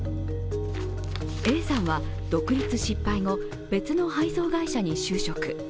Ａさんは、独立失敗後、別の配送会社に就職。